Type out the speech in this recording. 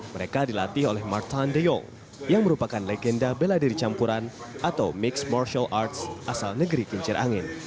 mereka dilatih oleh marthan deong yang merupakan legenda bela diri campuran atau mixed martial arts asal negeri kincir angin